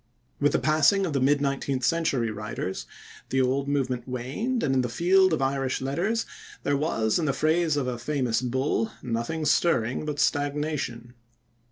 With the passing of the mid nineteenth century writers, the old movement waned, and in the field of Irish letters there was, in the phrase of a famous bull, nothing stirring but stagnation.